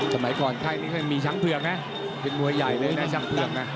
สมัยก่อนค่ายนี้เคยมีช้างเผือกนะเป็นมวยใหญ่เลยนะช่างเผือกนะ